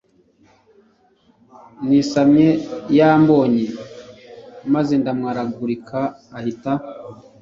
nisamye yambonye maze ndamwaragurika ahita